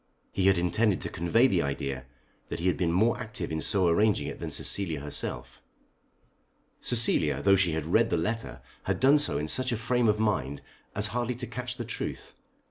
He had intended to convey the idea that he had been more active in so arranging it than Cecilia herself. Cecilia though she had read the letter had done so in such a frame of mind as hardly to catch the truth.